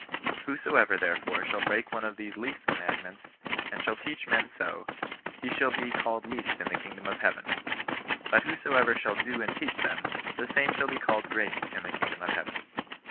Whosoever, therefore, shall break one of these least commandments, and shall teach men so, he shall be called least in the kingdom of heaven ; but whosoever shall do and teach them, the same shall be called great in the kingdom of heaven.